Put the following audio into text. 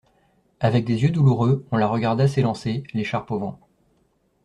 Avec des yeux douloureux, on la regarda s'élancer, l'écharpe au vent.